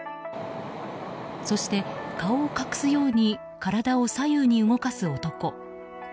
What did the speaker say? そして、顔を隠すように体を左右に動かす男。